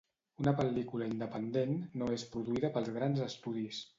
Una pel·lícula independent no és produïda pels grans estudis.